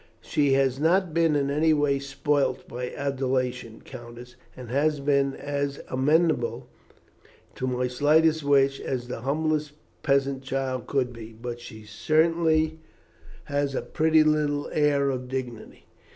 "She has not been in any way spoilt by adulation, Countess, and has been as amenable to my slightest wish as the humblest peasant child could be; but she certainly has a pretty little air of dignity.